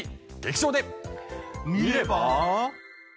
見れば！